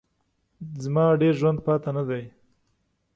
زما ډېر ژوند پاته نه دی.